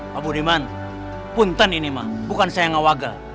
pak budiman punten ini mah bukan saya yang ngawagal